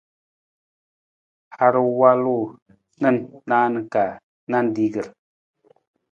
Har walu na naan ka nanrigir.